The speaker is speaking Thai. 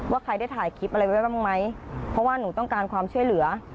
ใครได้ถ่ายคลิปอะไรไว้บ้างไหมเพราะว่าหนูต้องการความช่วยเหลือ